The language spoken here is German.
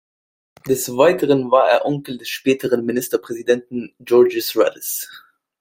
Des Weiteren war er Onkel des späteren Ministerpräsidenten Georgios Rallis.